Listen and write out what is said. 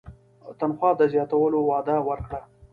تنخوا د زیاتولو وعده ورکړه.